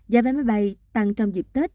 giá vé máy bay tăng trong dịp tết